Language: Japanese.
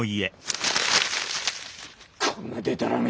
こんなでたらめ！